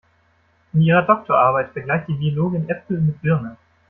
In ihrer Doktorarbeit vergleicht die Biologin Äpfel mit Birnen.